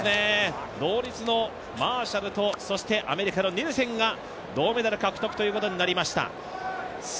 同率のマーシャルとアメリカのニルセンが銅メダル獲得ということになりました。